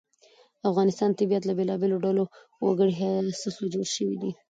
د افغانستان طبیعت له بېلابېلو ډولو وګړي څخه جوړ شوی دی.